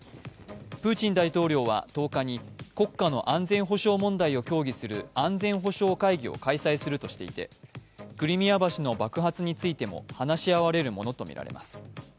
プーチン大統領は１０日に国家の安全保障問題を協議する安全保障会議を開催するとしていてクリミア橋の爆発についても話し合われるものとみられます。